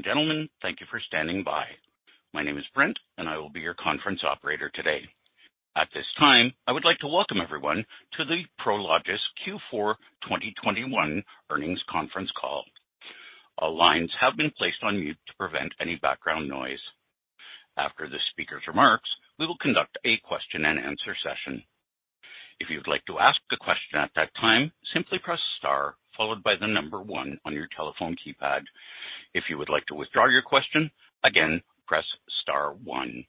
Ladies and gentlemen, thank you for standing by. My name is Brent, and I will be your conference operator today. At this time, I would like to welcome everyone to the Prologis Q4 2021 earnings conference call. All lines have been placed on mute to prevent any background noise. After the speaker's remarks, we will conduct a question-and-answer session. If you'd like to ask a question at that time, simply press star followed by the number one on your telephone keypad. If you would like to withdraw your question, again, press star one.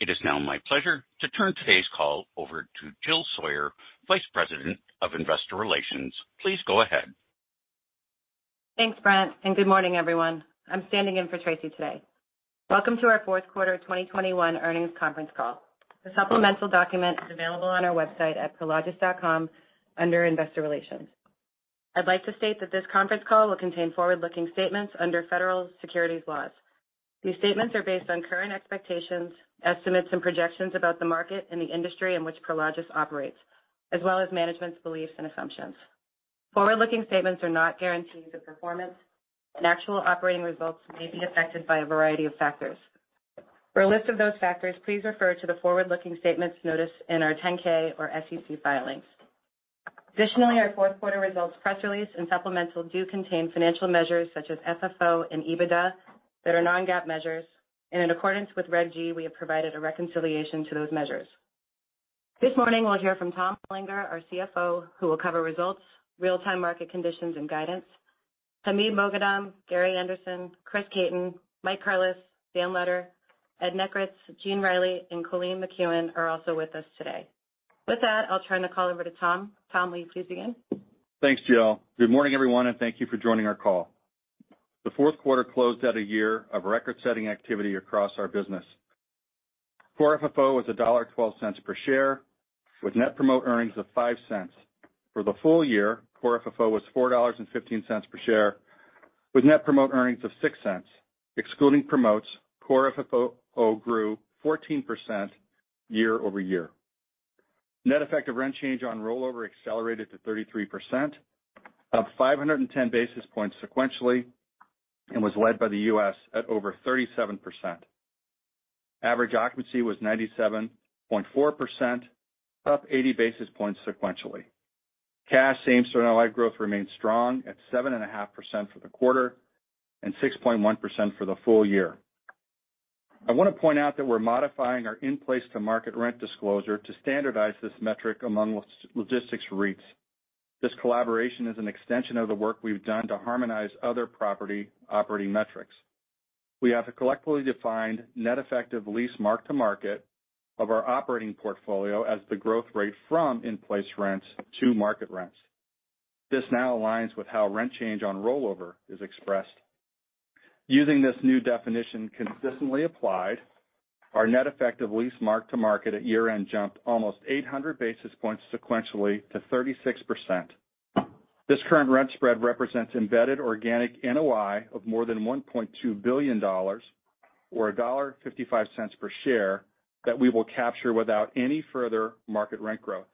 It is now my pleasure to turn today's call over to Jill Sawyer, Vice President of Investor Relations. Please go ahead. Thanks, Brent, and good morning, everyone. I'm standing in for Tracy today. Welcome to our fourth quarter of 2021 earnings conference call. The supplemental document is available on our website at prologis.com under Investor Relations. I'd like to state that this conference call will contain forward-looking statements under federal securities laws. These statements are based on current expectations, estimates, and projections about the market and the industry in which Prologis operates, as well as management's beliefs and assumptions. Forward-looking statements are not guarantees of performance, and actual operating results may be affected by a variety of factors. For a list of those factors, please refer to the forward-looking statements notice in our 10-K or SEC filings. Additionally, our fourth quarter results press release and supplemental do contain financial measures such as FFO and EBITDA that are non-GAAP measures. In accordance with Reg G, we have provided a reconciliation to those measures. This morning, we'll hear from Tom Olinger, our CFO, who will cover results, real-time market conditions, and guidance. Hamid Moghadam, Gary Anderson, Chris Caton, Mike Curless, Dan Letter, Ed Nekritz, Gene Reilly, and Colleen McKeown are also with us today. With that, I'll turn the call over to Tom. Tom, will you please begin? Thanks, Jill. Good morning, everyone, and thank you for joining our call. The fourth quarter closed out a year of record-setting activity across our business. Core FFO was $1.12 per share, with net promote earnings of $0.05. For the full year, core FFO was $4.15 per share with net promote earnings of $0.06. Excluding promotes, core FFO grew 14% year-over-year. Net effect of rent change on rollover accelerated to 33%, up 510 basis points sequentially, and was led by the U.S. at over 37%. Average occupancy was 97.4%, up 80 basis points sequentially. Cash same-store NOI growth remains strong at 7.5% for the quarter and 6.1% for the full year. I want to point out that we're modifying our in-place to market rent disclosure to standardize this metric among logistics REITs. This collaboration is an extension of the work we've done to harmonize other property operating metrics. We have collectively defined net effective lease mark-to-market of our operating portfolio as the growth rate from in-place rents to market rents. This now aligns with how rent change on rollover is expressed. Using this new definition consistently applied, our net effective lease mark-to-market at year-end jumped almost 800 basis points sequentially to 36%. This current rent spread represents embedded organic NOI of more than $1.2 billion or $1.55 per share that we will capture without any further market rent growth.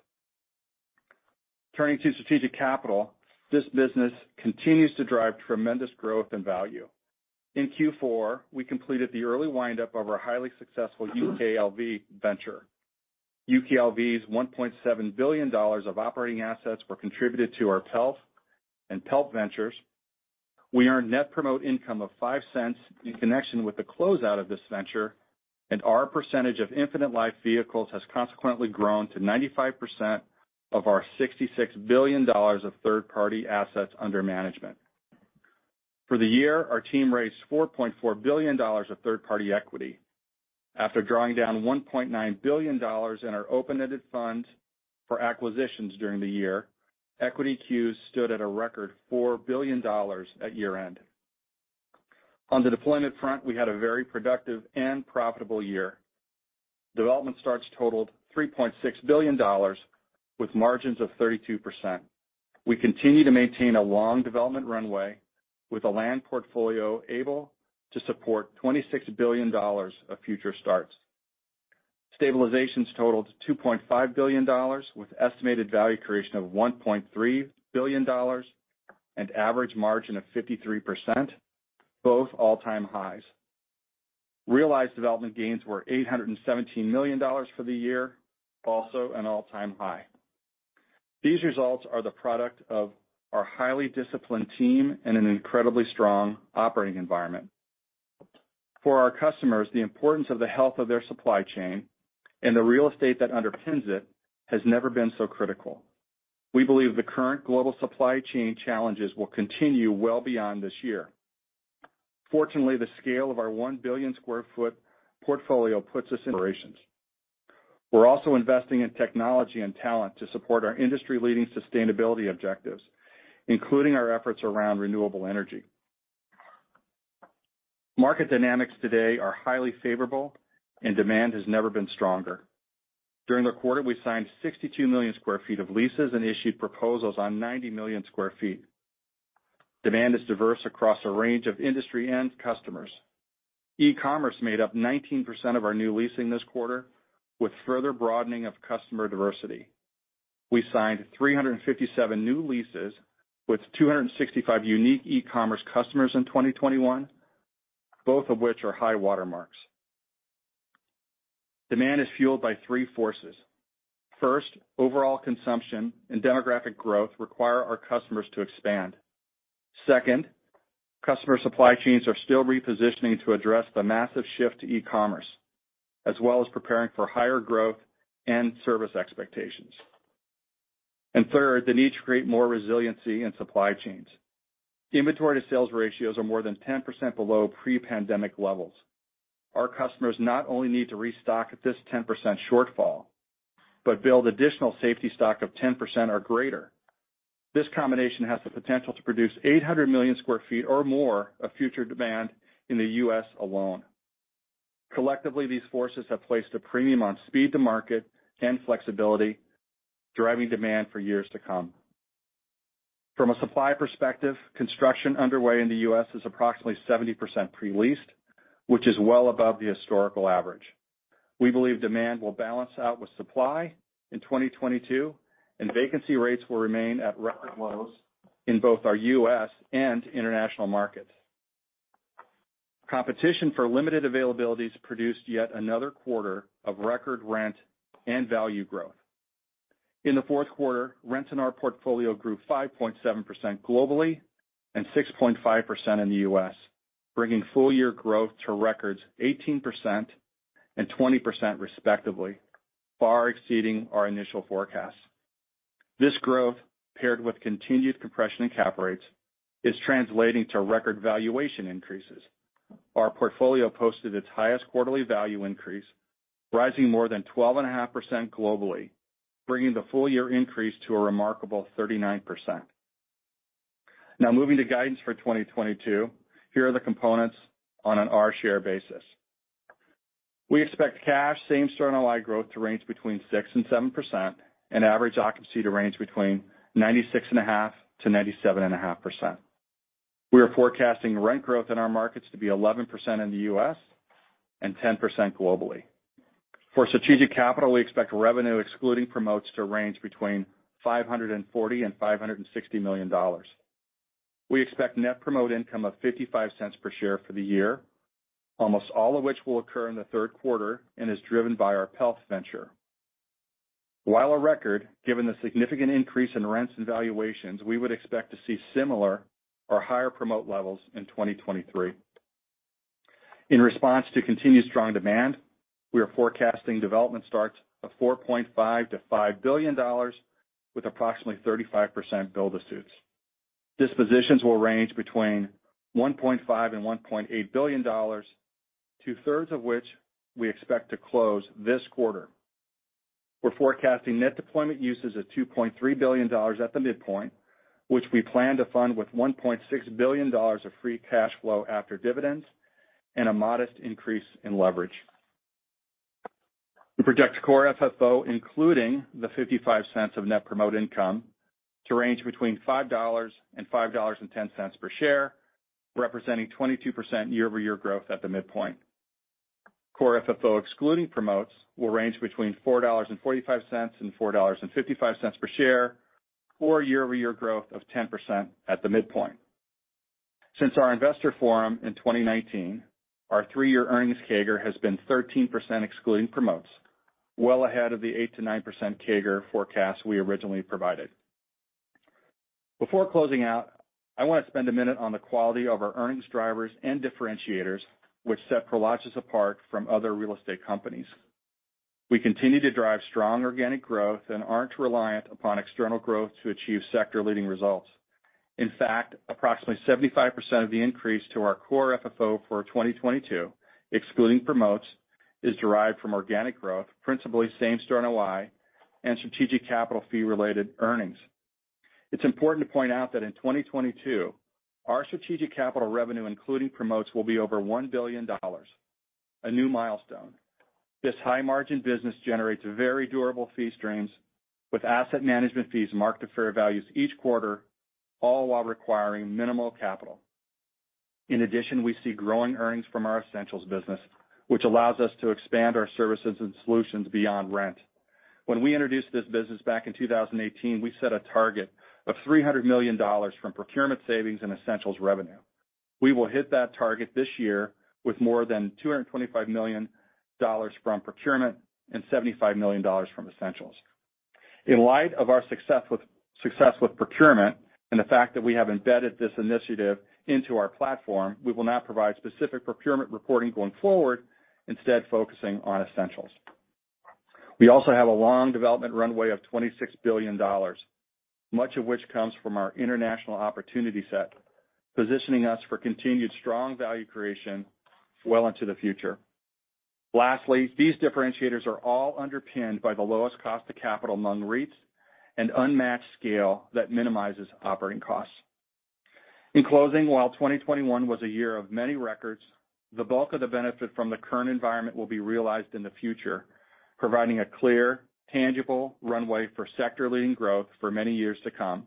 Turning to strategic capital, this business continues to drive tremendous growth and value. In Q4, we completed the early wind up of our highly successful UKLV venture. UKLV's $1.7 billion of operating assets were contributed to our PELF and PELP ventures. We earned net promote income of $0.05 in connection with the close out of this venture, and our percentage of infinite life vehicles has consequently grown to 95% of our $66 billion of third-party assets under management. For the year, our team raised $4.4 billion of third-party equity. After drawing down $1.9 billion in our open-ended fund for acquisitions during the year, equity queues stood at a record $4 billion at year-end. On the deployment front, we had a very productive and profitable year. Development starts totaled $3.6 billion with margins of 32%. We continue to maintain a long development runway with a land portfolio able to support $26 billion of future starts. Stabilizations totaled $2.5 billion, with estimated value creation of $1.3 billion and average margin of 53%, both all-time highs. Realized development gains were $817 million for the year, also an all-time high. These results are the product of our highly disciplined team in an incredibly strong operating environment. For our customers, the importance of the health of their supply chain and the real estate that underpins it has never been so critical. We believe the current global supply chain challenges will continue well beyond this year. Fortunately, the scale of our 1 billion sq ft portfolio puts us in operations. We're also investing in technology and talent to support our industry-leading sustainability objectives, including our efforts around renewable energy. Market dynamics today are highly favorable and demand has never been stronger. During the quarter, we signed 62 million sq ft of leases and issued proposals on 90 million sq ft. Demand is diverse across a range of industry and customers. E-commerce made up 19% of our new leasing this quarter, with further broadening of customer diversity. We signed 357 new leases with 265 unique e-commerce customers in 2021, both of which are high watermarks. Demand is fueled by three forces. First, overall consumption and demographic growth require our customers to expand. Second, customer supply chains are still repositioning to address the massive shift to e-commerce, as well as preparing for higher growth and service expectations. Third, the need to create more resiliency in supply chains. Inventory to sales ratios are more than 10% below pre-pandemic levels. Our customers not only need to restock at this 10% shortfall, but build additional safety stock of 10% or greater. This combination has the potential to produce 800 million sq ft or more of future demand in the U.S. alone. Collectively, these forces have placed a premium on speed to market and flexibility, driving demand for years to come. From a supply perspective, construction underway in the U.S. is approximately 70% pre-leased, which is well above the historical average. We believe demand will balance out with supply in 2022, and vacancy rates will remain at record lows in both our U.S. and international markets. Competition for limited availabilities produced yet another quarter of record rent and value growth. In the fourth quarter, rents in our portfolio grew 5.7% globally and 6.5% in the U.S., bringing full-year growth to record 18% and 20% respectively, far exceeding our initial forecast. This growth, paired with continued compression in cap rates, is translating to record valuation increases. Our portfolio posted its highest quarterly value increase, rising more than 12.5% globally, bringing the full-year increase to a remarkable 39%. Now moving to guidance for 2022, here are the components on a per share basis. We expect cash same-store NOI growth to range between 6%-7% and average occupancy to range between 96.5%-97.5%. We are forecasting rent growth in our markets to be 11% in the U.S. and 10% globally. For strategic capital, we expect revenue excluding promotes to range between $540 million-$560 million. We expect net promote income of $0.55 per share for the year, almost all of which will occur in the third quarter and is driven by our PELF venture. While a record, given the significant increase in rents and valuations, we would expect to see similar or higher promote levels in 2023. In response to continued strong demand, we are forecasting development starts of $4.5 billion-$5 billion with approximately 35% build-to-suits. Dispositions will range between $1.5 billion-$1.8 billion, 2/3 of which we expect to close this quarter. We're forecasting net deployment uses of $2.3 billion at the midpoint, which we plan to fund with $1.6 billion of free cash flow after dividends and a modest increase in leverage. We project core FFO, including the $0.55 of net promote income, to range between $5 and $5.10 per share, representing 22% year-over-year growth at the midpoint. Core FFO excluding promotes will range between $4.45 and $4.55 per share, or year-over-year growth of 10% at the midpoint. Since our investor forum in 2019, our three-year earnings CAGR has been 13% excluding promotes, well ahead of the 8%-9% CAGR forecast we originally provided. Before closing out, I want to spend a minute on the quality of our earnings drivers and differentiators, which set Prologis apart from other real estate companies. We continue to drive strong organic growth and aren't reliant upon external growth to achieve sector-leading results. In fact, approximately 75% of the increase to our core FFO for 2022, excluding promotes, is derived from organic growth, principally same-store NOI and strategic capital fee-related earnings. It's important to point out that in 2022, our strategic capital revenue, including promotes, will be over $1 billion, a new milestone. This high margin business generates very durable fee streams with asset management fees marked to fair values each quarter, all while requiring minimal capital. In addition, we see growing earnings from our essentials business, which allows us to expand our services and solutions beyond rent. When we introduced this business back in 2018, we set a target of $300 million from procurement savings and Essentials revenue. We will hit that target this year with more than $225 million from procurement and $75 million from Essentials. In light of our success with procurement and the fact that we have embedded this initiative into our platform, we will not provide specific procurement reporting going forward, instead focusing on Essentials. We also have a long development runway of $26 billion, much of which comes from our international opportunity set, positioning us for continued strong value creation well into the future. Lastly, these differentiators are all underpinned by the lowest cost of capital among REITs and unmatched scale that minimizes operating costs. In closing, while 2021 was a year of many records, the bulk of the benefit from the current environment will be realized in the future, providing a clear, tangible runway for sector leading growth for many years to come.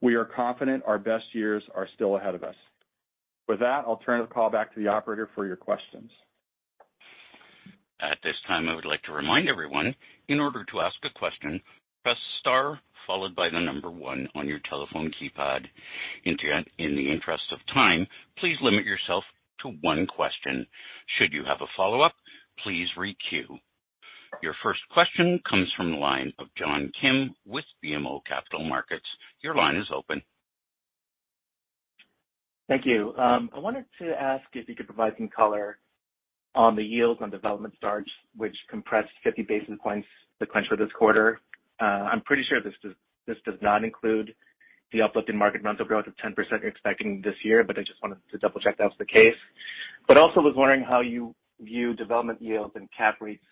We are confident our best years are still ahead of us. With that, I'll turn the call back to the operator for your questions. At this time, I would like to remind everyone, in order to ask a question, press star followed by the number one on your telephone keypad. In the interest of time, please limit yourself to one question. Should you have a follow-up, please re-queue. Your first question comes from the line of John Kim with BMO Capital Markets. Your line is open. Thank you. I wanted to ask if you could provide some color on the yields on development starts, which compressed 50 basis points, the change for this quarter. I'm pretty sure this does not include the uplift in market rental growth of 10% you're expecting this year, but I just wanted to double-check that was the case. I was wondering how you view development yields and cap rates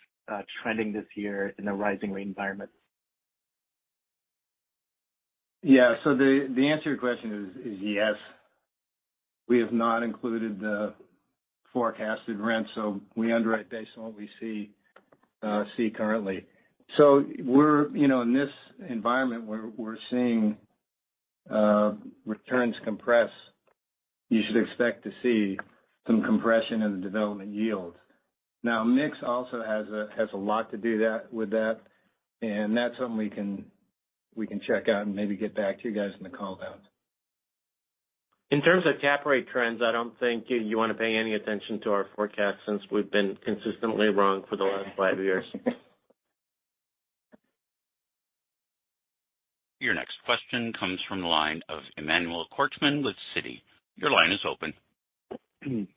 trending this year in a rising rate environment. Yeah. The answer to your question is yes. We have not included the forecasted rent, so we underwrite based on what we see currently. We're, you know, in this environment where we're seeing returns compress, you should expect to see some compression in the development yields. Now, mix also has a lot to do with that, and that's something we can check out and maybe get back to you guys in the call down. In terms of cap rate trends, I don't think you want to pay any attention to our forecast since we've been consistently wrong for the last five years. Your next question comes from the line of Emmanuel Korchman with Citi. Your line is open.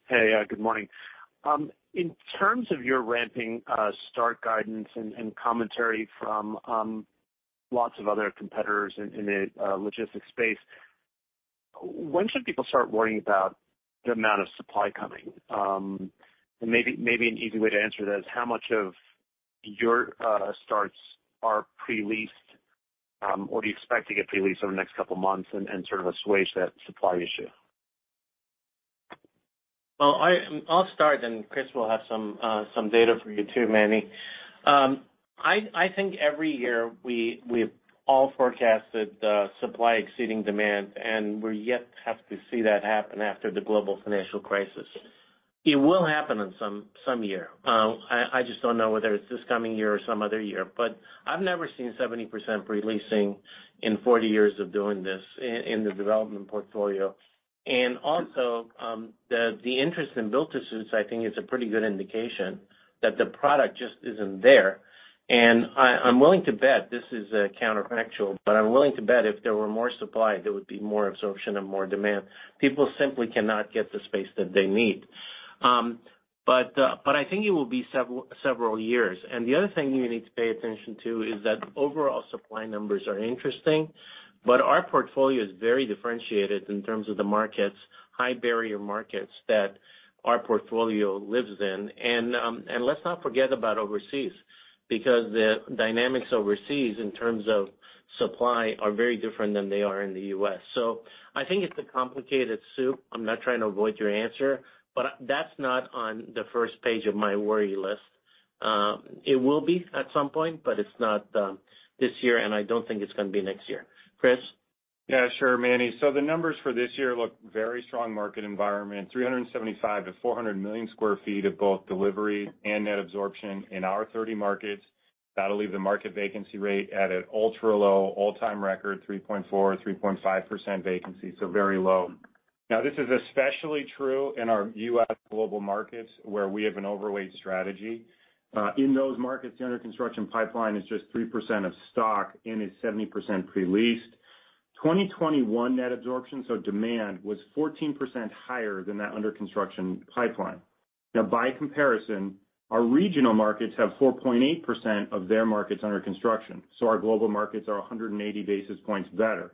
Hey. Good morning. In terms of your ramping start guidance and commentary from lots of other competitors in the logistics space, when should people start worrying about the amount of supply coming? Maybe an easy way to answer that is how much of your starts are pre-leased, or do you expect to get pre-leased over the next couple of months and sort of assuage that supply issue? Well, I'll start, then Chris will have some data for you too, Manny. I think every year we've all forecasted the supply exceeding demand, and we're yet to see that happen after the global financial crisis. It will happen in some year. I just don't know whether it's this coming year or some other year. I've never seen 70% pre-leasing in 40 years of doing this in the development portfolio. Also, the interest in build-to-suits I think is a pretty good indication that the product just isn't there. I'm willing to bet, this is a counterfactual, but I'm willing to bet if there were more supply, there would be more absorption and more demand. People simply cannot get the space that they need. I think it will be several years. The other thing you need to pay attention to is that overall supply numbers are interesting, but our portfolio is very differentiated in terms of the markets, high barrier markets that our portfolio lives in. Let's not forget about overseas, because the dynamics overseas in terms of supply are very different than they are in the U.S. I think it's a complicated soup. I'm not trying to avoid your answer, but that's not on the first page of my worry list. It will be at some point, but it's not this year, and I don't think it's gonna be next year. Chris. Yeah. Sure, Manny. The numbers for this year look very strong. Market environment, 375 million sq ft-400 million sq ft of both delivery and net absorption in our 30 markets. That'll leave the market vacancy rate at an ultra-low all-time record 3.4%-3.5% vacancy, so very low. This is especially true in our U.S. global markets, where we have an overweight strategy. In those markets, the under construction pipeline is just 3% of stock and is 70% pre-leased. 2021 net absorption, so demand, was 14% higher than that under construction pipeline. By comparison, our regional markets have 4.8% of their markets under construction. Our global markets are 180 basis points better.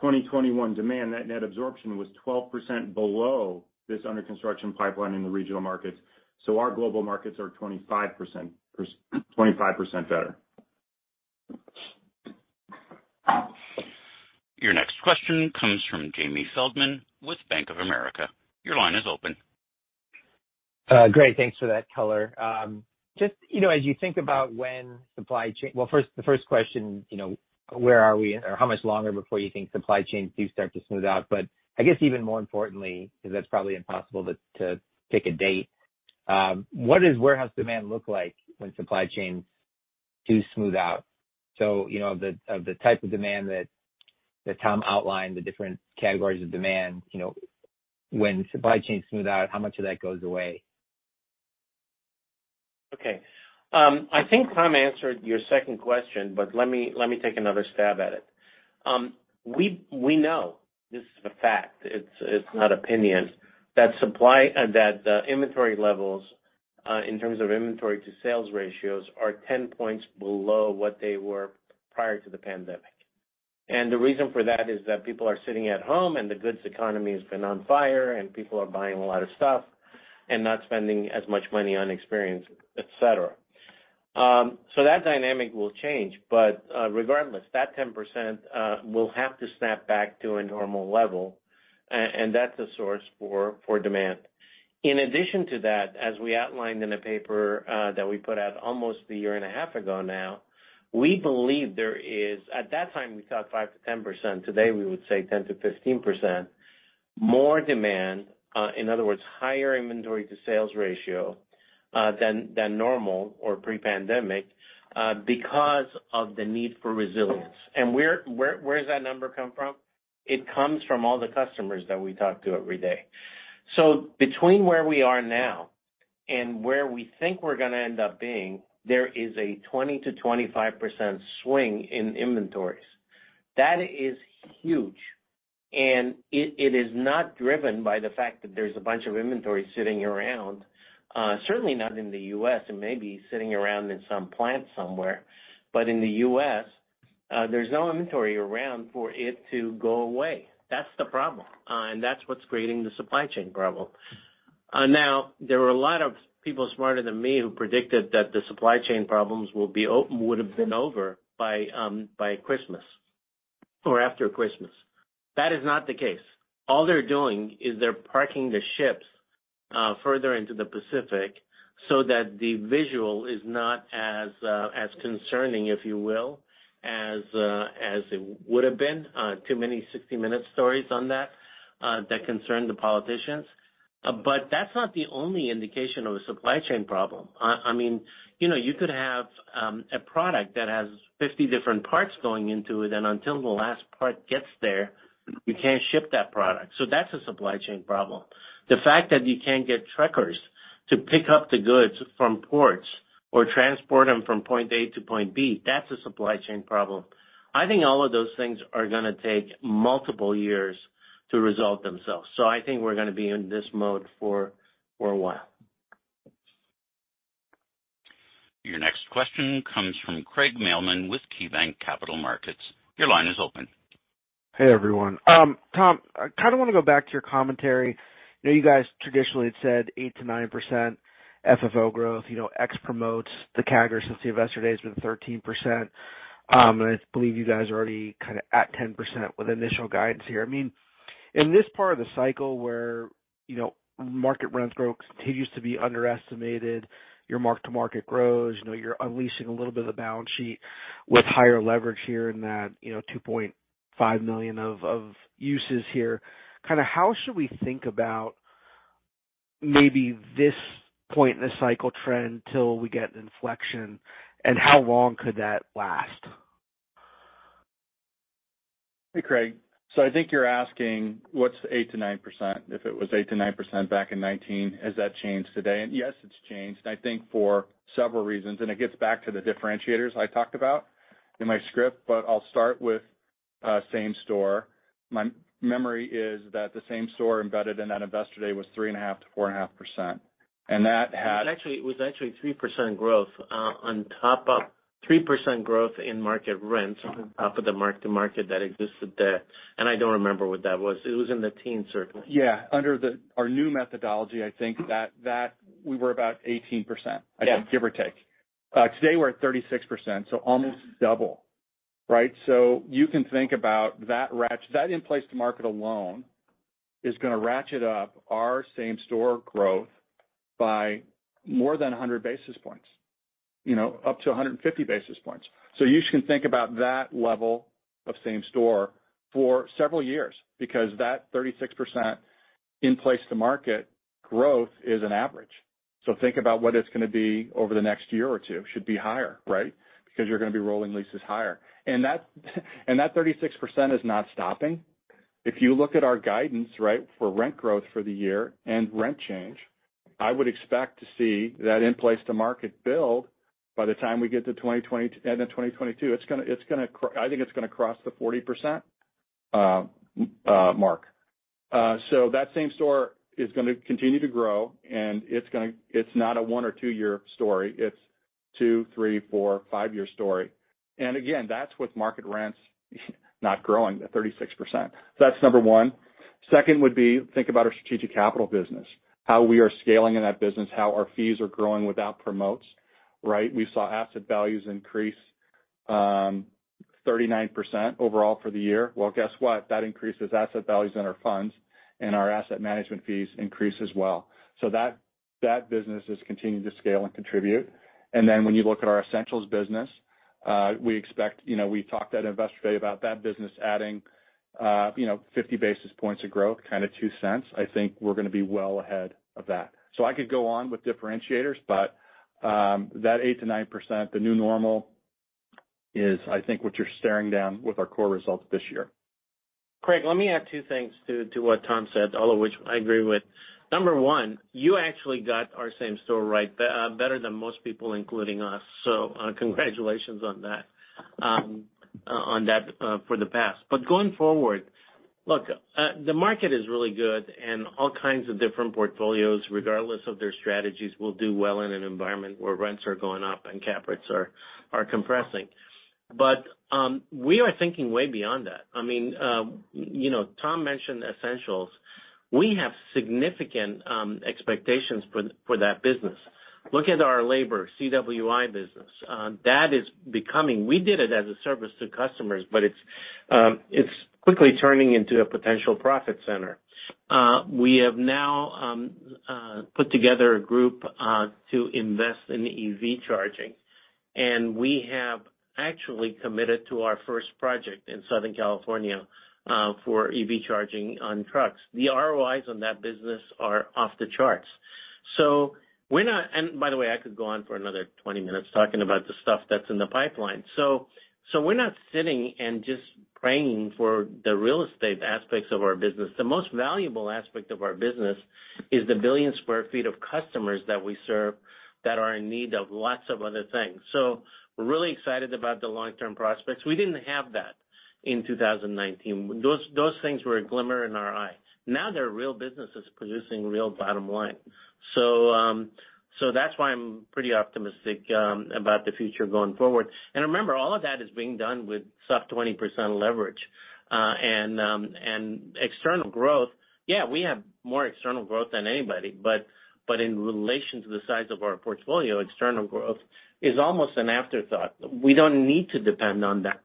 2021 demand, net absorption was 12% below this under construction pipeline in the regional markets. Our global markets are 25% better. Your next question comes from Jamie Feldman with Bank of America. Your line is open. Great. Thanks for that color. Just, you know, as you think about when supply chain... First, the first question, you know, where are we or how much longer before you think supply chains do start to smooth out. I guess even more importantly, 'cause that's probably impossible to pick a date, what does warehouse demand look like when supply chains do smooth out? You know, of the type of demand that Tom outlined, you know, when supply chains smooth out, how much of that goes away? Okay. I think Tom answered your second question, but let me take another stab at it. We know, this is a fact, it's not opinion, that the inventory levels, in terms of inventory to sales ratios are 10 points below what they were prior to the pandemic. The reason for that is that people are sitting at home and the goods economy has been on fire and people are buying a lot of stuff and not spending as much money on experience, etc. That dynamic will change. Regardless, that 10% will have to snap back to a normal level, and that's a source for demand. In addition to that, as we outlined in a paper that we put out almost a year and a half ago now, we believe there is. At that time, we thought 5%-10%. Today, we would say 10%-15%. More demand, in other words, higher inventory to sales ratio, than normal or pre-pandemic, because of the need for resilience. Where does that number come from? It comes from all the customers that we talk to every day. Between where we are now and where we think we're gonna end up being, there is a 20%-25% swing in inventories. That is huge, and it is not driven by the fact that there's a bunch of inventory sitting around, certainly not in the U.S., and maybe sitting around in some plant somewhere. In the U.S., there's no inventory around for it to go away. That's the problem, and that's what's creating the supply chain problem. Now, there were a lot of people smarter than me who predicted that the supply chain problems would have been over by Christmas or after Christmas. That is not the case. All they're doing is they're parking the ships further into the Pacific so that the visual is not as concerning, if you will, as it would have been, too many 60 Minutes stories on that that concern the politicians. That's not the only indication of a supply chain problem. I mean, you know, you could have a product that has 50 different parts going into it, and until the last part gets there, you can't ship that product. That's a supply chain problem. The fact that you can't get truckers to pick up the goods from ports or transport them from point A to point B, that's a supply chain problem. I think all of those things are gonna take multiple years to resolve themselves. I think we're gonna be in this mode for a while. Your next question comes from Craig Mailman with KeyBanc Capital Markets. Your line is open. Hey, everyone. Tom, I kinda wanna go back to your commentary. I know you guys traditionally had said 8%-9% FFO growth. You know, the CAGR since the Investor Day has been 13%. I believe you guys are already kinda at 10% with initial guidance here. I mean, in this part of the cycle where, you know, market rents growth continues to be underestimated, your mark-to-market grows, you know, you're unleashing a little bit of the balance sheet with higher leverage here in that, you know, $2.5 million of uses here. Kinda, how should we think about maybe this point in the cycle trend till we get an inflection, and how long could that last? Hey, Craig. I think you're asking, what's the 8%-9%? If it was 8%-9% back in 2019, has that changed today? Yes, it's changed. I think for several reasons, and it gets back to the differentiators I talked about in my script. I'll start with same store. My memory is that the same store embedded in that investor day was 3.5%-4.5%. That had It was actually 3% growth in market rents on top of the mark-to-market that existed there. I don't remember what that was. It was in the teens, certainly. Under our new methodology, I think that we were about 18%. Yeah. I think, give or take. Today we're at 36%, so almost double, right? You can think about that. That in-place to market alone is gonna ratchet up our same-store growth by more than 100 basis points, you know, up to 150 basis points. You can think about that level of same store for several years because that 36% in-place to market growth is an average. Think about what it's gonna be over the next year or two. Should be higher, right? Because you're gonna be rolling leases higher. And that 36% is not stopping. If you look at our guidance, right, for rent growth for the year and rent change, I would expect to see that in-place to market build by the time we get to 2022, end of 2022, I think it's gonna cross the 40% mark. So that same store is gonna continue to grow, and it's not a one or two year story. It's two, three, four, five year story. Again, that's with market rents not growing at 36%. So that's number one. Second would be think about our strategic capital business, how we are scaling in that business, how our fees are growing without promotes, right? We saw asset values increase 39% overall for the year. Well, guess what? That increases asset values in our funds and our asset management fees increase as well. That business has continued to scale and contribute. Then when you look at our Essentials business, we expect, you know, we talked at Investor Day about that business adding, you know, 50 basis points of growth, kinda $0.02. I think we're gonna be well ahead of that. I could go on with differentiators, but that 8%-9%, the new normal is, I think, what you're staring down with our core results this year. Craig, let me add two things to what Tom said, all of which I agree with. Number one, you actually got our same store right better than most people, including us. Congratulations on that for the past. Going forward, look, the market is really good and all kinds of different portfolios, regardless of their strategies, will do well in an environment where rents are going up and cap rates are compressing. We are thinking way beyond that. I mean, you know, Tom mentioned Essentials. We have significant expectations for that business. Look at our labor CWI business. We did it as a service to customers, but it's quickly turning into a potential profit center. We have now put together a group to invest in EV charging. We have actually committed to our first project in Southern California for EV charging on trucks. The ROIs on that business are off the charts. We're not... By the way, I could go on for another 20 minutes talking about the stuff that's in the pipeline. We're not sitting and just praying for the real estate aspects of our business. The most valuable aspect of our business is the 1 billion sq ft of customers that we serve that are in need of lots of other things. We're really excited about the long-term prospects. We didn't have that in 2019. Those things were a glimmer in our eyes. Now they're real businesses producing real bottom line. That's why I'm pretty optimistic about the future going forward. Remember, all of that is being done with sub 20% leverage and external growth. Yeah, we have more external growth than anybody, but in relation to the size of our portfolio, external growth is almost an afterthought. We don't need to depend on that.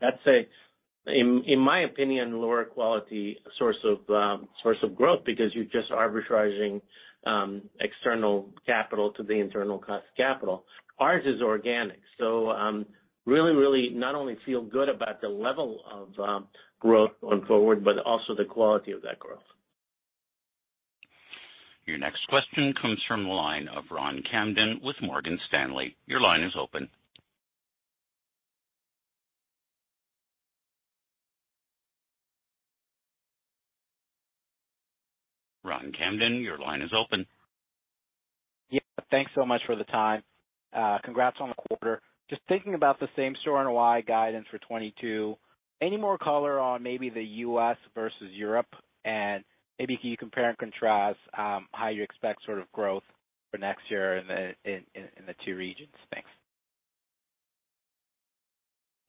That's, in my opinion, a lower quality source of growth because you're just arbitraging external capital to the internal cost of capital. Ours is organic, so I really not only feel good about the level of growth going forward, but also the quality of that growth. Your next question comes from the line of Ron Kamdem with Morgan Stanley. Your line is open. Ron Kamdem, your line is open. Yeah, thanks so much for the time. Congrats on the quarter. Just thinking about the same-store NOI guidance for 2022. Any more color on maybe the U.S. versus Europe? Maybe can you compare and contrast how you expect sort of growth for next year in the two regions? Thanks.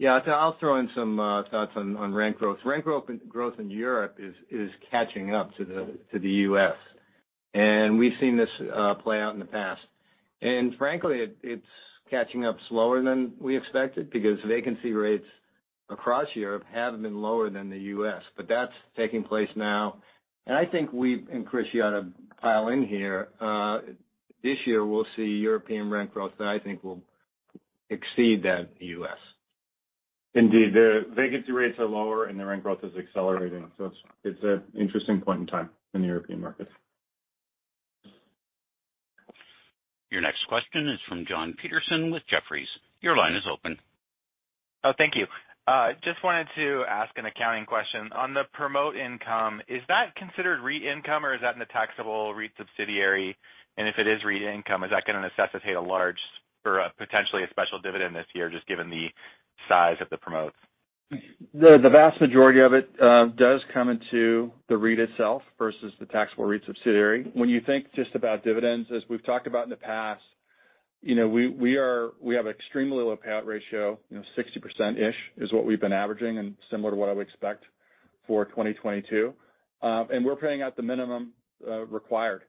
Yeah. I'll throw in some thoughts on rent growth. Rent growth in Europe is catching up to the U.S., and we've seen this play out in the past. Frankly, it's catching up slower than we expected because vacancy rates across Europe have been lower than the U.S. That's taking place now. I think we and Chris, you ought to dial in here, this year we'll see European rent growth that I think will exceed that of the U.S. Indeed. The vacancy rates are lower and the rent growth is accelerating. It's an interesting point in time in the European markets. Your next question is from Jon Petersen with Jefferies. Your line is open. Oh, thank you. Just wanted to ask an accounting question. On the promote income, is that considered REIT income or is that in the taxable REIT subsidiary? If it is REIT income, is that gonna necessitate a large or potentially a special dividend this year, just given the size of the promotes? The vast majority of it does come into the REIT itself versus the taxable REIT subsidiary. When you think just about dividends, as we've talked about in the past, you know, we have extremely low payout ratio, you know, 60%-ish is what we've been averaging and similar to what I would expect for 2022. And we're paying out the minimum required.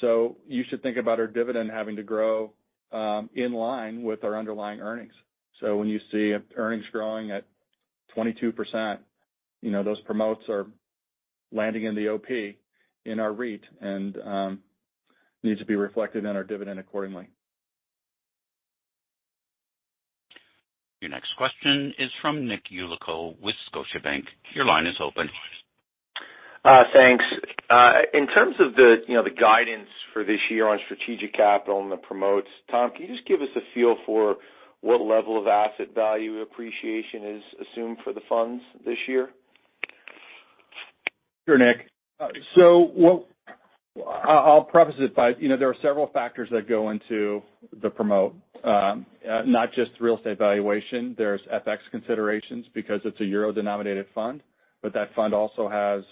You should think about our dividend having to grow in line with our underlying earnings. When you see earnings growing at 22%, you know, those promotes are landing in the OP in our REIT and need to be reflected in our dividend accordingly. Your next question is from Nick Yulico with Scotiabank. Your line is open. Thanks. In terms of the, you know, the guidance for this year on strategic capital and the promotes, Tom, can you just give us a feel for what level of asset value appreciation is assumed for the funds this year? Sure, Nick. I'll preface it by, you know, there are several factors that go into the promote, not just real estate valuation. There's FX considerations because it's a euro-denominated fund, but that fund also has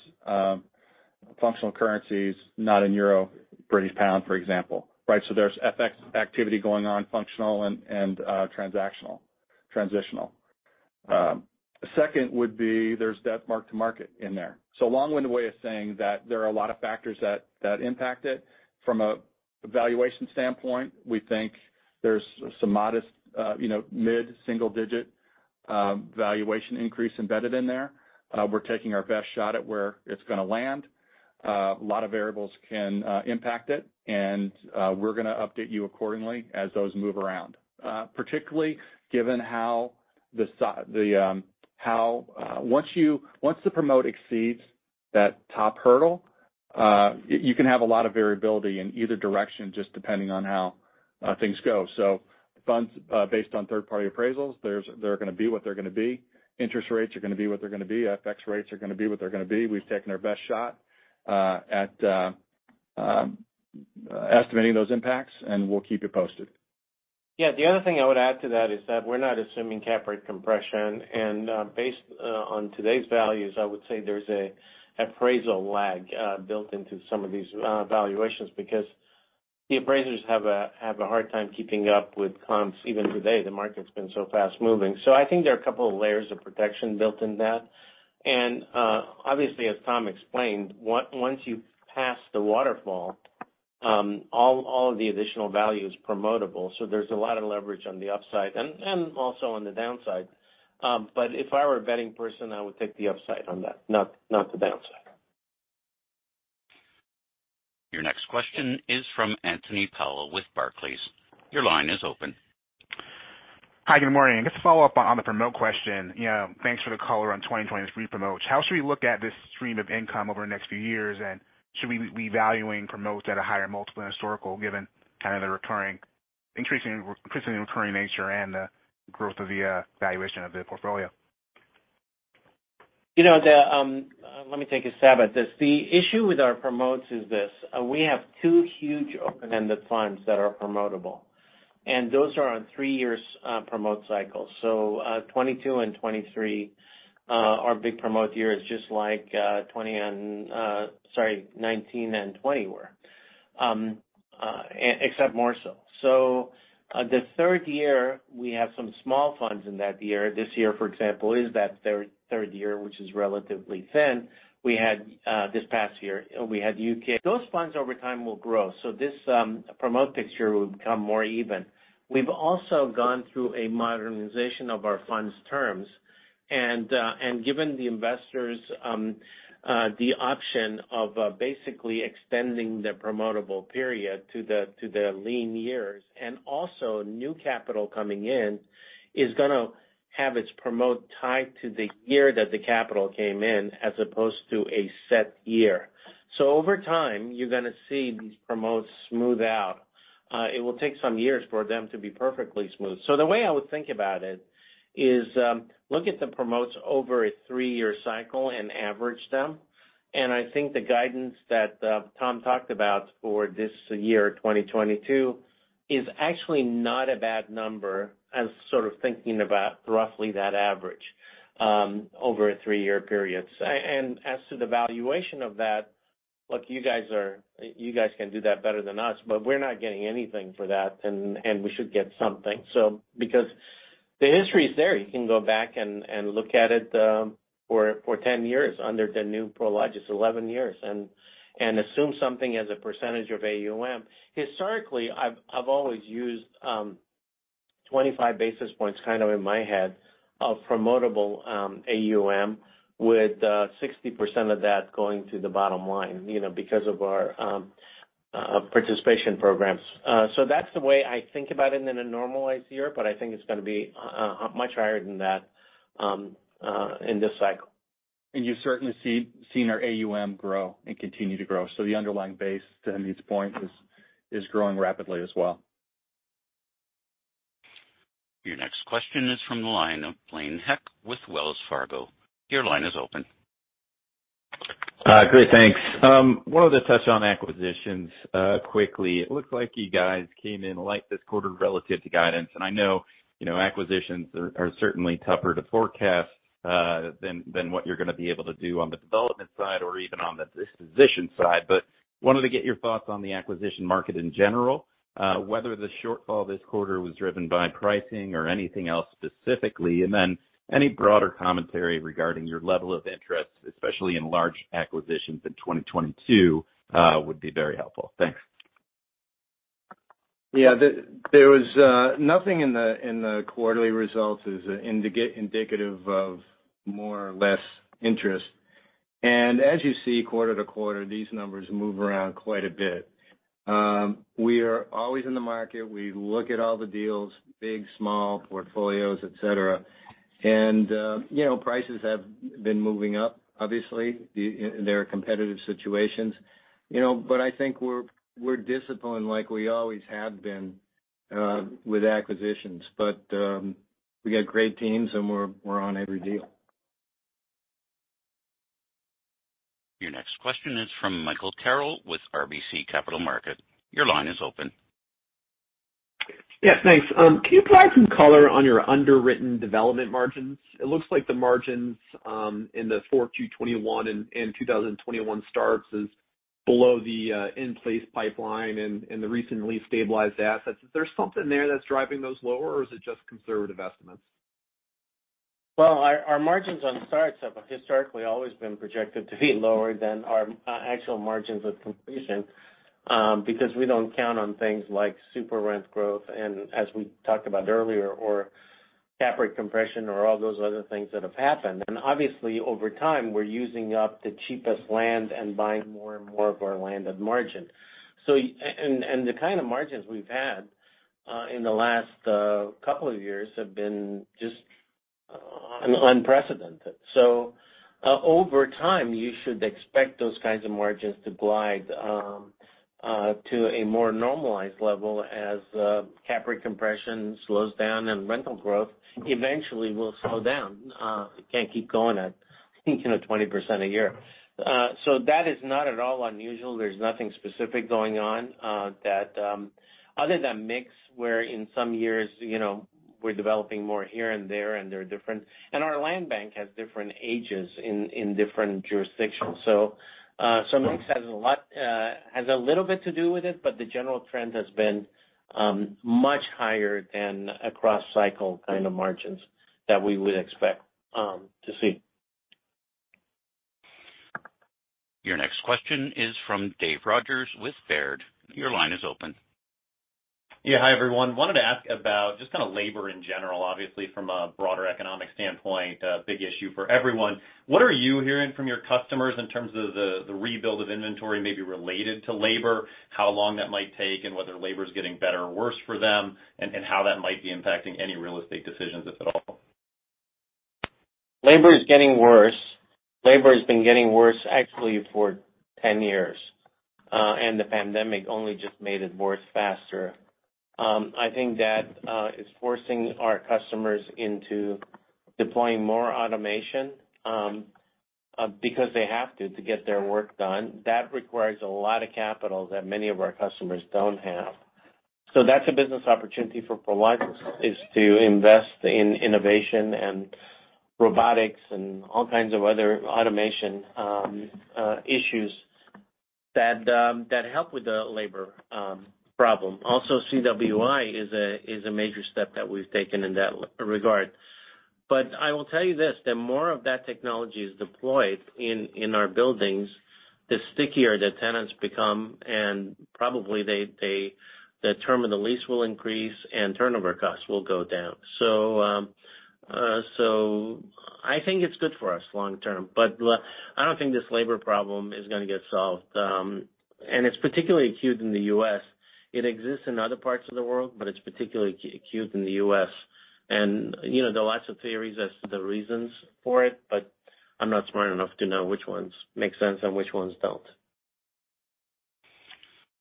functional currencies not in euro, British pound, for example, right? There's FX activity going on, functional and transactional, transitional. Second would be there's debt mark-to-market in there. A long-winded way of saying that there are a lot of factors that impact it. From a valuation standpoint, we think there's some modest, you know, mid-single digit valuation increase embedded in there. We're taking our best shot at where it's gonna land. A lot of variables can impact it, and we're gonna update you accordingly as those move around. Particularly given how the how. Once the promote exceeds that top hurdle, you can have a lot of variability in either direction, just depending on how things go. Funds based on third-party appraisals, they're gonna be what they're gonna be. Interest rates are gonna be what they're gonna be. FX rates are gonna be what they're gonna be. We've taken our best shot at estimating those impacts, and we'll keep you posted. Yeah. The other thing I would add to that is that we're not assuming cap rate compression. Based on today's values, I would say there's an appraisal lag built into some of these valuations because the appraisers have a hard time keeping up with comps even today. The market's been so fast-moving. I think there are a couple of layers of protection built in that. Obviously, as Tom explained, once you pass the waterfall, all of the additional value is promotable. There's a lot of leverage on the upside and also on the downside. If I were a betting person, I would take the upside on that, not the downside. Your next question is from Anthony Powell with Barclays. Your line is open. Hi, good morning. Just to follow up on the promote question. You know, thanks for the color on 2023 promotes. How should we look at this stream of income over the next few years? Should we be valuing promotes at a higher multiple than historical, given kind of the recurring, increasing and recurring nature and the growth of the valuation of the portfolio? You know, Let me take a stab at this. The issue with our promotes is this, we have two huge open-ended funds that are promotable, and those are on three year promote cycles. 2022 and 2023 are big promote years, just like 2019 and 2020 were, except more so. The third year, we have some small funds in that year. This year, for example, is that third year, which is relatively thin. This past year, we had U.K. Those funds over time will grow. This promote picture will become more even. We've also gone through a modernization of our funds terms and given the investors the option of basically extending the promotable period to the lean years. Also new capital coming in is gonna have its promote tied to the year that the capital came in, as opposed to a set year. Over time, you're gonna see these promotes smooth out. It will take some years for them to be perfectly smooth. The way I would think about it is, look at the promotes over a three-year cycle and average them. I think the guidance that Tom talked about for this year, 2022, is actually not a bad number as sort of thinking about roughly that average over a three-year period. As to the valuation of that, look, you guys can do that better than us, but we're not getting anything for that, and we should get something. Because the history is there, you can go back and look at it for 10 years under the new Prologis, 11 years, and assume something as a percentage of AUM. Historically, I've always used 25 basis points kind of in my head of promotable AUM with 60% of that going to the bottom line, you know, because of our participation programs. That's the way I think about it in a normalized year, but I think it's gonna be much higher than that in this cycle. You've certainly seen our AUM grow and continue to grow. The underlying base to Hamid's point is growing rapidly as well. Your next question is from the line of Blaine Heck with Wells Fargo. Your line is open. Great, thanks. Wanted to touch on acquisitions quickly. It looks like you guys came in light this quarter relative to guidance, and I know, you know, acquisitions are certainly tougher to forecast than what you're going to be able to do on the development side or even on the disposition side. Wanted to get your thoughts on the acquisition market in general, whether the shortfall this quarter was driven by pricing or anything else specifically, and then any broader commentary regarding your level of interest, especially in large acquisitions in 2022, would be very helpful. Thanks. Yeah. There was nothing in the quarterly results is indicative of more or less interest. As you see quarter to quarter, these numbers move around quite a bit. We are always in the market. We look at all the deals, big, small, portfolios, et cetera. You know, prices have been moving up obviously. There are competitive situations. You know, but I think we're disciplined like we always have been with acquisitions. We got great teams, and we're on every deal. Your next question is from Michael Carroll with RBC Capital Markets. Your line is open. Yeah, thanks. Can you provide some color on your underwritten development margins? It looks like the margins in the 4Q 2021 and 2021 starts is below the in-place pipeline and the recently stabilized assets. Is there something there that's driving those lower or is it just conservative estimates? Well, our margins on starts have historically always been projected to be lower than our actual margins of completion, because we don't count on things like super rent growth and as we talked about earlier, or CapEx compression or all those other things that have happened. Obviously, over time, we're using up the cheapest land and buying more and more of our land of margin. The kind of margins we've had in the last couple of years have been just unprecedented. Over time, you should expect those kinds of margins to glide to a more normalized level as CapEx compression slows down and rental growth eventually will slow down. It can't keep going at, you know, 20% a year. That is not at all unusual. There's nothing specific going on other than mix, where in some years, you know, we're developing more here and there and our land bank has different ages in different jurisdictions. So mix has a little bit to do with it, but the general trend has been much higher than across cycle kind of margins that we would expect to see. Your next question is from Dave Rodgers with Baird. Your line is open. Yeah. Hi, everyone. Wanted to ask about just kind of labor in general, obviously from a broader economic standpoint, a big issue for everyone. What are you hearing from your customers in terms of the rebuild of inventory maybe related to labor, how long that might take, and whether labor is getting better or worse for them, and how that might be impacting any real estate decisions, if at all? Labor is getting worse. Labor has been getting worse actually for 10 years, and the pandemic only just made it worse faster. I think that is forcing our customers into deploying more automation, because they have to get their work done. That requires a lot of capital that many of our customers don't have. That's a business opportunity for Prologis, is to invest in innovation and robotics and all kinds of other automation, issues that help with the labor problem. Also, CWI is a major step that we've taken in that regard. I will tell you this, the more of that technology is deployed in our buildings, the stickier the tenants become, and probably the term of the lease will increase and turnover costs will go down. I think it's good for us long term. I don't think this labor problem is gonna get solved. It's particularly acute in the U.S. It exists in other parts of the world, but it's particularly acute in the U.S. You know, there are lots of theories as to the reasons for it, but I'm not smart enough to know which ones make sense and which ones don't.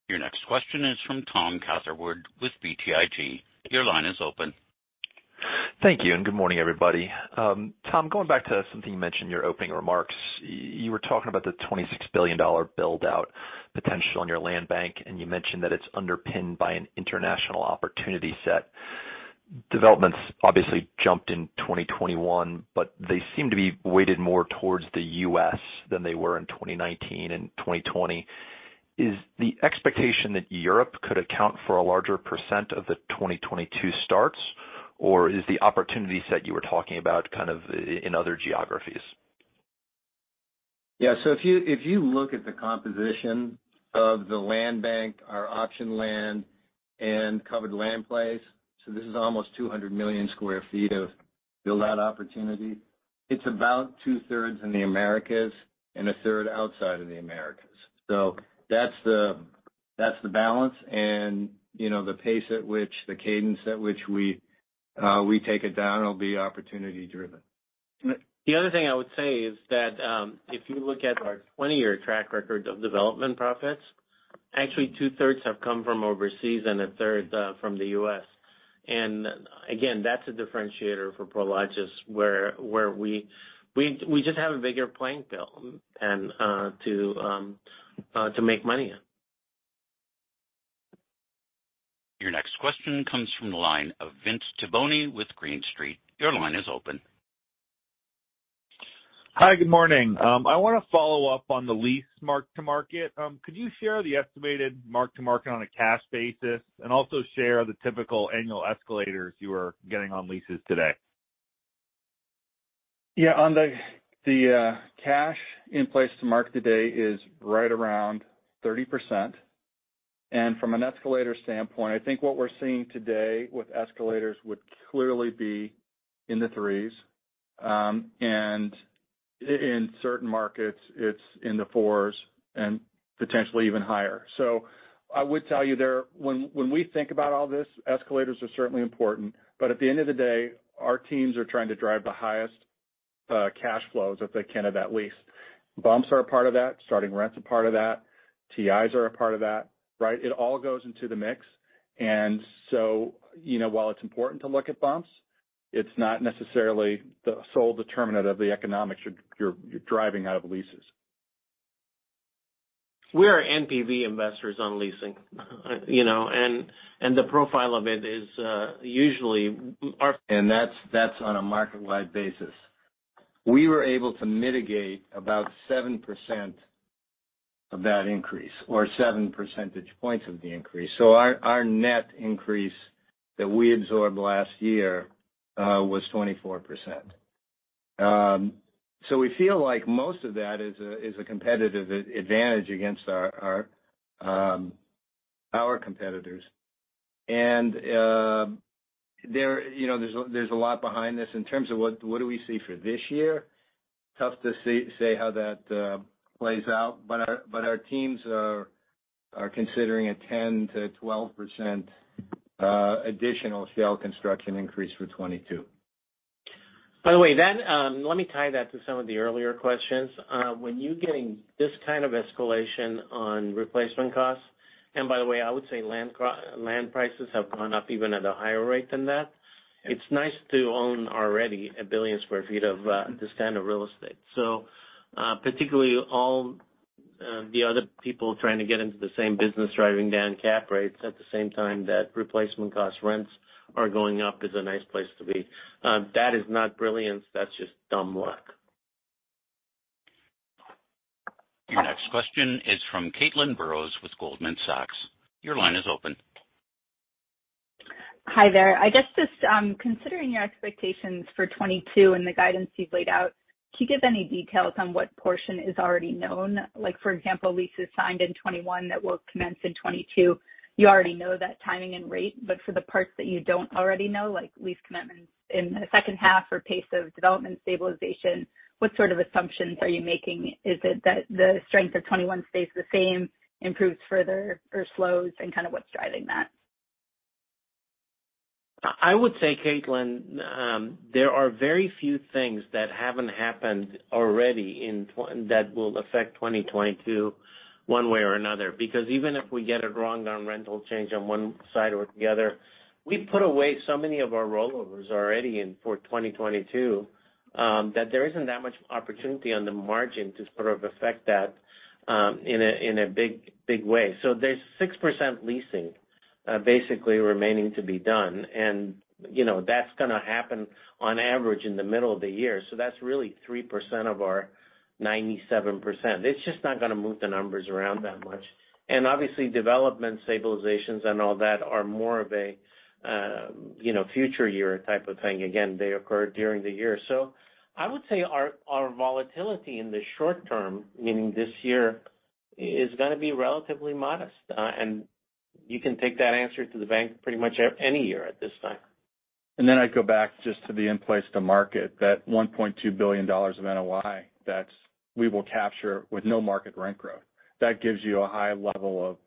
Your next question is from Tom Catherwood with BTIG. Your line is open. Thank you, and good morning, everybody. Tom, going back to something you mentioned in your opening remarks, you were talking about the $26 billion build-out potential on your land bank, and you mentioned that it's underpinned by an international opportunity set. Developments obviously jumped in 2021, but they seem to be weighted more towards the U.S. than they were in 2019 and 2020. Is the expectation that Europe could account for a larger percent of the 2022 starts, or is the opportunity set you were talking about kind of in other geographies? If you look at the composition of the land bank, our auction land and covered land plays, this is almost 200 million sq ft of build-out opportunity. It's about two-thirds in the Americas and a third outside of the Americas. That's the balance. You know, the cadence at which we take it down will be opportunity driven. The other thing I would say is that, if you look at our 20-year track record of development profits, actually two-thirds have come from overseas and a third from the U.S. Again, that's a differentiator for Prologis, where we just have a bigger playing field and to make money in. Your next question comes from the line of Vince Tibone with Green Street. Your line is open. Hi, good morning. I wanna follow up on the lease mark-to-market. Could you share the estimated mark-to-market on a cash basis and also share the typical annual escalators you are getting on leases today? Yeah. On the cash in-place to market today is right around 30%. From an escalator standpoint, I think what we're seeing today with escalators would clearly be in the 3s, and in certain markets, it's in the 4s and potentially even higher. I would tell you there, when we think about all this, escalators are certainly important, but at the end of the day, our teams are trying to drive the highest cash flows if they can of that lease. Bumps are a part of that. Starting rent's a part of that. TIs are a part of that, right? It all goes into the mix. You know, while it's important to look at bumps, it's not necessarily the sole determinant of the economics you're driving out of leases. We are NPV investors on leasing, you know, and the profile of it is usually our. And that's on a market-wide basis. We were able to mitigate about 7% of that increase or 7 percentage points of the increase. Our net increase that we absorbed last year was 24%. We feel like most of that is a competitive advantage against our competitors. You know, there's a lot behind this. In terms of what we see for this year, tough to say how that plays out, but our teams are considering a 10%-12% additional steel construction increase for 2022. By the way, that. Let me tie that to some of the earlier questions. When you're getting this kind of escalation on replacement costs, and by the way, I would say land prices have gone up even at a higher rate than that. It's nice to own already 1 billion sq ft of this kind of real estate. Particularly all the other people trying to get into the same business, driving down cap rates at the same time that replacement cost rents are going up is a nice place to be. That is not brilliance, that's just dumb luck. Your next question is from Caitlin Burrows with Goldman Sachs. Your line is open. Hi there. I guess just, considering your expectations for 2022 and the guidance you've laid out, can you give any details on what portion is already known? Like for example, leases signed in 2021 that will commence in 2022, you already know that timing and rate. For the parts that you don't already know, like lease commitments in the second half or pace of development stabilization, what sort of assumptions are you making? Is it that the strength of 2021 stays the same, improves further, or slows, and kind of what's driving that? I would say, Caitlin, there are very few things that haven't happened already that will affect 2022 one way or another. Because even if we get it wrong on rental change on one side or the other, we've put away so many of our rollovers already in for 2022, that there isn't that much opportunity on the margin to sort of affect that, in a big way. So there's 6% leasing basically remaining to be done. You know, that's gonna happen on average in the middle of the year. So that's really 3% of our 97%. It's just not gonna move the numbers around that much. Obviously, development stabilizations and all that are more of a you know, future year type of thing. Again, they occur during the year. I would say our volatility in the short term, meaning this year, is gonna be relatively modest. You can take that answer to the bank pretty much any year at this time. I'd go back just to the in-place-to-market, that $1.2 billion of NOI that we will capture with no market rent growth. That gives you a high level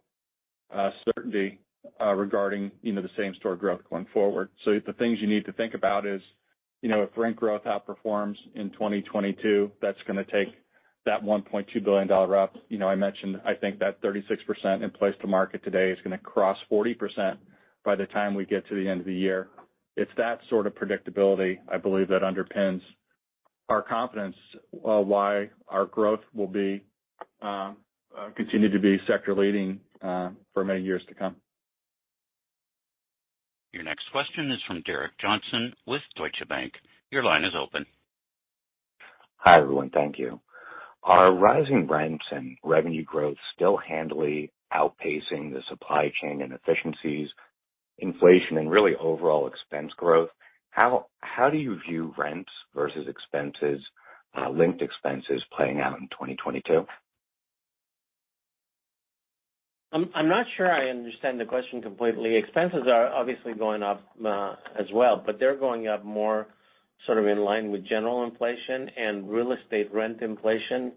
of certainty regarding, you know, the same-store growth going forward. The things you need to think about is, you know, if rent growth outperforms in 2022, that's gonna take that $1.2 billion up. You know, I mentioned, I think that 36% in-place-to-market today is gonna cross 40% by the time we get to the end of the year. It's that sort of predictability, I believe, that underpins our confidence why our growth will continue to be sector leading for many years to come. Your next question is from Derek Johnston with Deutsche Bank. Your line is open. Hi, everyone. Thank you. Are rising rents and revenue growth still handily outpacing the supply chain and efficiencies, inflation and really overall expense growth? How do you view rents versus expenses, linked expenses playing out in 2022? I'm not sure I understand the question completely. Expenses are obviously going up as well, but they're going up more sort of in line with general inflation. Real estate rent inflation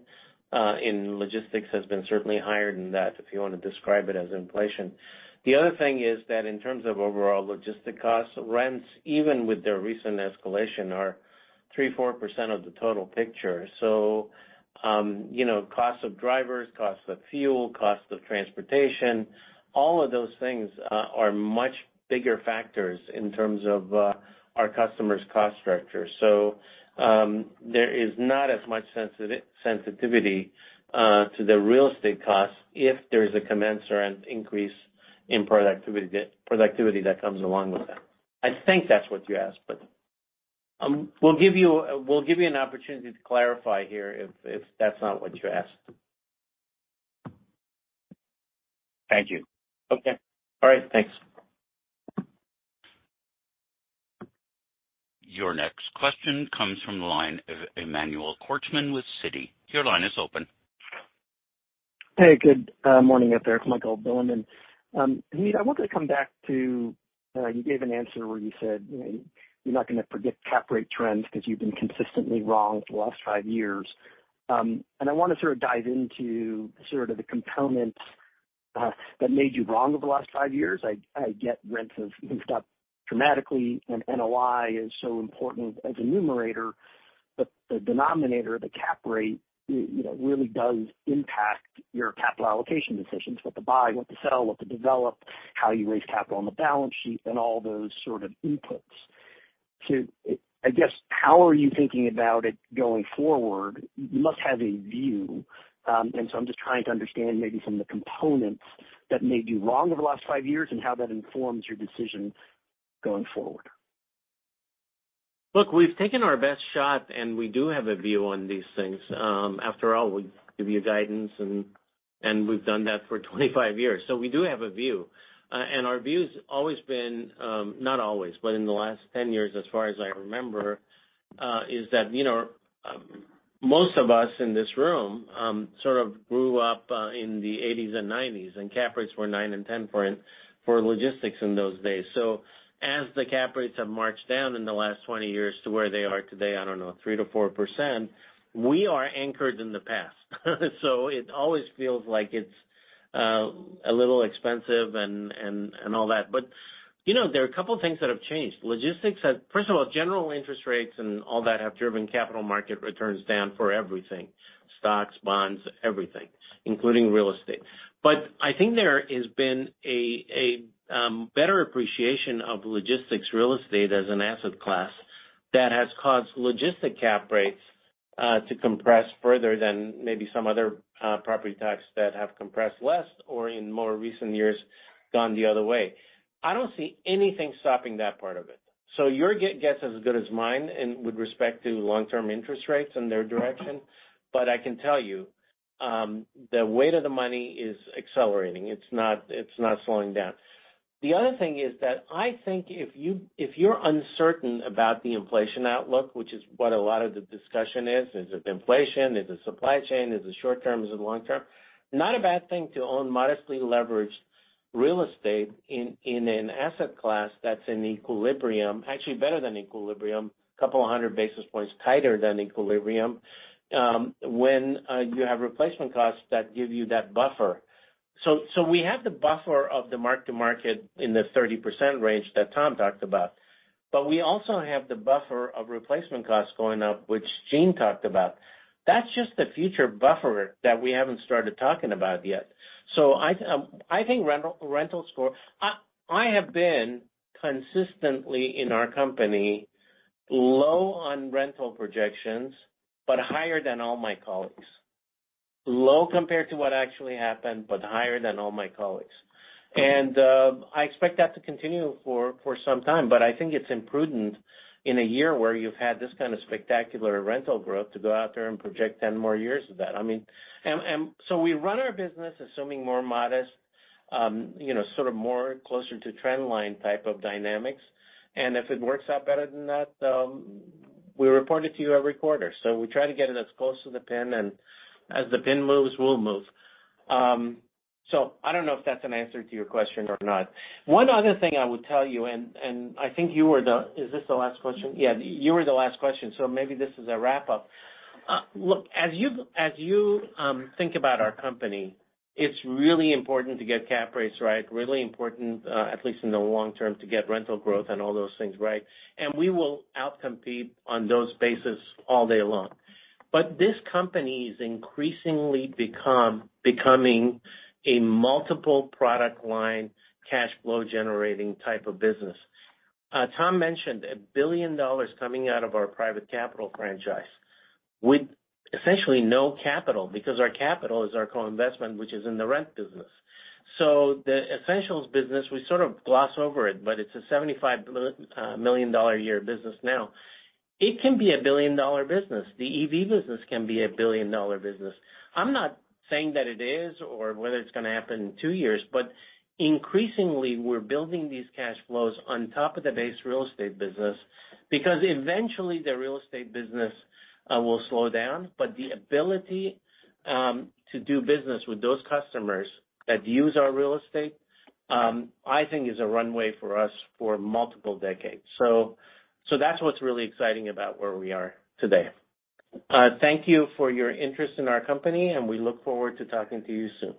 in logistics has been certainly higher than that, if you want to describe it as inflation. The other thing is that in terms of overall logistics costs, rents, even with their recent escalation, are 3%-4% of the total picture. You know, cost of drivers, cost of fuel, cost of transportation, all of those things are much bigger factors in terms of our customers' cost structure. There is not as much sensitivity to the real estate costs if there's a commensurate increase in productivity that comes along with that. I think that's what you asked, but we'll give you an opportunity to clarify here if that's not what you asked. Thank you. Okay. All right. Thanks. Your next question comes from the line of Emmanuel Korchman with Citi. Your line is open. Hey, good morning out there. It's Michael Bilerman. Hamid, I wanted to come back to you gave an answer where you said, you know, you're not gonna predict cap rate trends because you've been consistently wrong for the last five years. I wanna sort of dive into sort of the components that made you wrong over the last five years. I get rents have moved up dramatically and NOI is so important as a numerator, but the denominator, the cap rate, you know, really does impact your capital allocation decisions, what to buy, what to sell, what to develop, how you raise capital on the balance sheet and all those sort of inputs. I guess, how are you thinking about it going forward? You must have a view. I'm just trying to understand maybe some of the components that made you wrong over the last five years and how that informs your decision going forward. Look, we've taken our best shot, and we do have a view on these things. After all, we give you guidance, and we've done that for 25 years. We do have a view. Our view's always been, not always, but in the last 10 years, as far as I remember, is that, you know, most of us in this room, sort of grew up in the 1980s and 1990s, and cap rates were 9% and 10% for logistics in those days. As the cap rates have marched down in the last 20 years to where they are today, I don't know, 3%-4%, we are anchored in the past. It always feels like it's a little expensive and all that. You know, there are a couple things that have changed. First of all, general interest rates and all that have driven capital market returns down for everything, stocks, bonds, everything, including real estate. But I think there has been a better appreciation of logistics real estate as an asset class that has caused logistics cap rates to compress further than maybe some other property types that have compressed less or in more recent years gone the other way. I don't see anything stopping that part of it. Your guess as good as mine and with respect to long-term interest rates and their direction, but I can tell you, the weight of the money is accelerating. It's not slowing down. The other thing is that I think if you, if you're uncertain about the inflation outlook, which is what a lot of the discussion is it inflation, is it supply chain, is it short-term, is it long-term? Not a bad thing to own modestly leveraged real estate in an asset class that's in equilibrium. Actually, better than equilibrium, a couple of hundred basis points tighter than equilibrium, when you have replacement costs that give you that buffer. We have the buffer of the mark-to-market in the 30% range that Tom talked about. We also have the buffer of replacement costs going up, which Gene talked about. That's just the future buffer that we haven't started talking about yet. I think rentals for... I have been consistently in our company low on rental projections, but higher than all my colleagues. Low compared to what actually happened, but higher than all my colleagues. I expect that to continue for some time, but I think it's imprudent in a year where you've had this kind of spectacular rental growth to go out there and project 10 more years of that. I mean we run our business assuming more modest, you know, sort of more closer to trend line type of dynamics. If it works out better than that, we report it to you every quarter. We try to get it as close to the pin, and as the pin moves, we'll move. I don't know if that's an answer to your question or not. One other thing I would tell you. I think you were the last question? Yeah, you were the last question, so maybe this is a wrap-up. Look, as you think about our company, it's really important to get cap rates right, really important, at least in the long term, to get rental growth and all those things right. We will out-compete on those bases all day long. This company is increasingly becoming a multiple product line, cash flow generating type of business. Tom mentioned $1 billion coming out of our private capital franchise with essentially no capital because our capital is our co-investment, which is in the rent business. The Essentials business, we sort of gloss over it, but it's a $75 million a year business now. It can be a billion-dollar business. The EV business can be a billion-dollar business. I'm not saying that it is or whether it's gonna happen in two years, but increasingly, we're building these cash flows on top of the base real estate business because eventually, the real estate business will slow down. The ability to do business with those customers that use our real estate, I think is a runway for us for multiple decades. That's what's really exciting about where we are today. Thank you for your interest in our company, and we look forward to talking to you soon.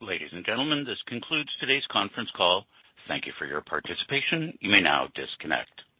Ladies and gentlemen, this concludes today's conference call. Thank you for your participation. You may now disconnect.